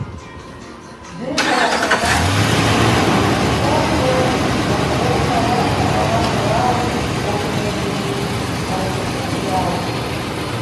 Dzinga la Tomasi likukondwa na kuwona wana wa wana wawo, omwe ni wazukulu wawo.